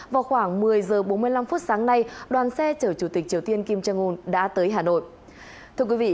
vào khoảng một mươi giờ bốn mươi năm phút sáng nay đoàn xe chở chủ tịch triều tiên kim jong un đã tới hà nội